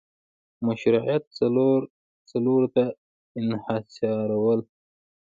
مشروعیت څلورو ته انحصارول